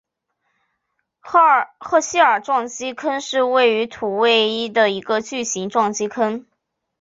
赫歇尔撞击坑是位于土卫一的一个巨型撞击坑。